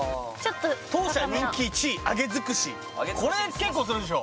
「当社人気１位揚げづくし」これ結構するでしょ